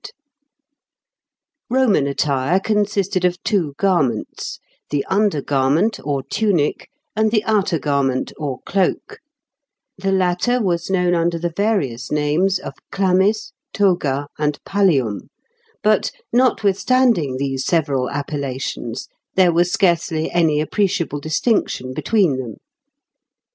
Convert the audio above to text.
400 and 401). Roman attire consisted of two garments the under garment, or tunic, and the outer garment, or cloak; the latter was known under the various names of chlamys, toga, and pallium, but, notwithstanding these several appellations, there was scarcely any appreciable distinction between them.